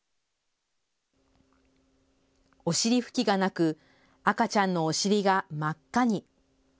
お尻拭きがなく赤ちゃんのお尻が真っ赤に。